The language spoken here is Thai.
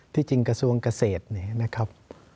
ที่จริงกระทรวงเกษตรเนี่ยนะครับ